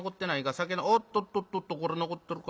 酒おっとっとっとっとこれ残ってるか？